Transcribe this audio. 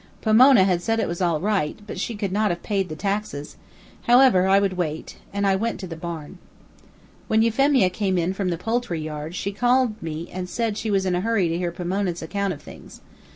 Pomona had said it was all right, but she could not have paid the taxes however, I would wait; and I went to the barn. When Euphemia came in from the poultry yard, she called me and said she was in a hurry to hear Pomona's account of things.